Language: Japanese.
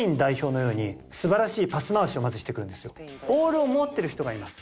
ボールを持ってる人がいます。